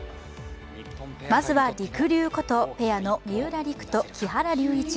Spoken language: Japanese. まずは、りくりゅうこと、ペアの三浦璃来と木原龍一。